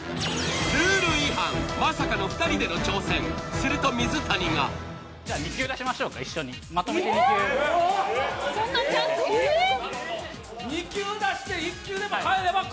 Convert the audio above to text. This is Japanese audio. ルール違反まさかの２人での挑戦すると水谷がじゃ２球出しましょうか一緒にまとめて２球ええっ！？